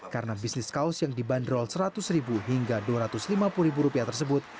karena bisnis kaos yang dibanderol seratus ribu hingga dua ratus lima puluh ribu rupiah tersebut